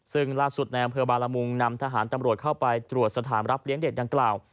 ซึ่งล่าสุดในอำเภอบาลมุงนำทหารตำรวจเข้าไปตรวจสถานรับเลี้ยงเด็กดังกล่าว